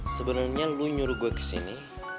sebenernya lo nyuruh gue kesini